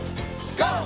ＧＯ！